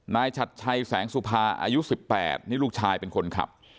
ชัดชัยแสงสุภาอายุ๑๘นี่ลูกชายเป็นคนขับ